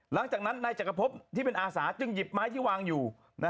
หลังจากนั้นนายจักรพบที่เป็นอาสาจึงหยิบไม้ที่วางอยู่